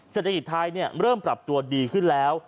เศรษฐกิจไทยเริ่มปรับตัวดีขึ้นแล้ว